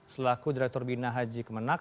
selaku direktur bina haji kemenang